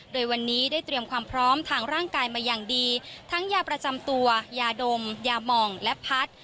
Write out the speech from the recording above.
โดยวันนี้ได้เตรียมความพร้อมทางร่างกายมาอย่างดีทั้งยาประจำตัวยาดมยามองและพัด